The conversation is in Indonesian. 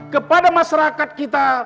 kepada masyarakat kita